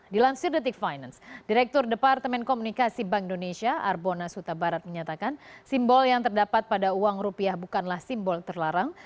dilansir detik finance direktur departemen komunikasi bank indonesia arbona suta barat menyatakan simbol yang terdapat pada uang rupiah bukanlah simbol terlarang